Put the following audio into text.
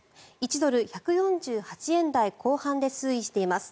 １ドル＝１４８円台後半で推移しています。